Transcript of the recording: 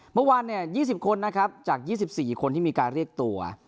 เมื่อวานเนี่ยยี่สิบคนนะครับจากยี่สิบสี่คนที่มีการเรียกตัว